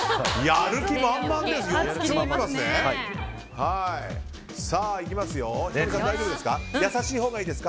やる気満々です。